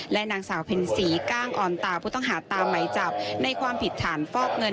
และนางสาวเพ็ญศรีก้างอ่อนตาผู้ต้องหาตามไหมจับในความผิดฐานฟอกเงิน